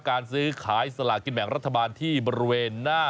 การซื้อขายสลากินแบ่งรัฐบาลที่บริเวณหน้า